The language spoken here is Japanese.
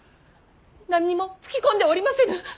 何も吹き込んでおりませぬ。